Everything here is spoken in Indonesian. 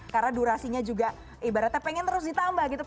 karena durasinya juga ibaratnya ingin terus ditambah gitu